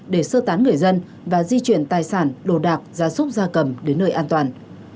để sơ tán người dân và di chuyển tài sản đồ đạc gia súc gia cầm đến nơi an toàn